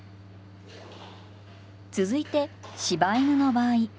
続いて柴犬の場合。